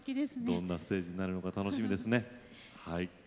どんなステージになるのか楽しみですねはい。